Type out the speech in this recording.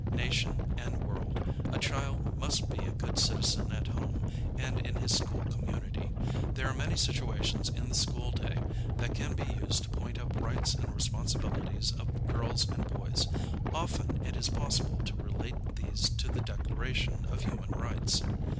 Nation, and world, a child must be a good citizen at home and in his school community. There are many situations in the school day that can be used to point up lights and responsibilities of girls and boys. Often it is possible to relate these to the Declaration of Human Rights.